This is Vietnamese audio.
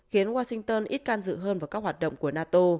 khiến washington ít can dự hơn vào các hoạt động của nato